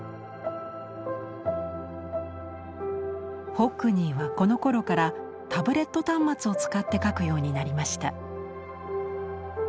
ホックニーはこのころからタブレット端末を使って描くようになりました。